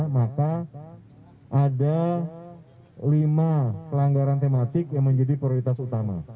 maka ada lima pelanggaran tematik yang menjadi prioritas utama